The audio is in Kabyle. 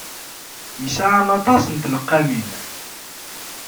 Yesɛa aṭas n tleqqamin.